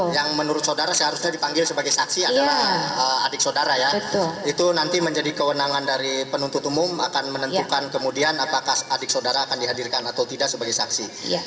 yang menurut saudara seharusnya dipanggil sebagai saksi adalah adik saudara ya itu nanti menjadi kewenangan dari penuntut umum akan menentukan kemudian apakah adik saudara akan dihadirkan atau tidak sebagai saksi